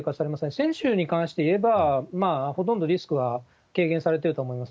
選手に関しましては、ほとんどリスクは軽減されていると思います。